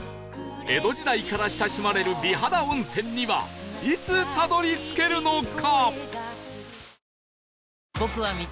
江戸時代から親しまれる美肌温泉にはいつたどり着けるのか？